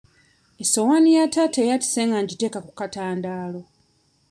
Essowaani ya taata eyatise nga ngiteeka ku katandaalo.